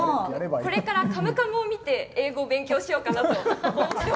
これから「カムカム」を見て英語を勉強しようかなと。